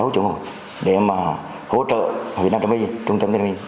một mươi sáu chỗ để mà hỗ trợ việt nam trung yên trung trọng việt nam trung yên